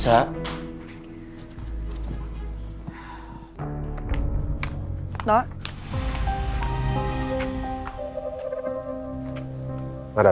saya mau biasbat lihat misalnya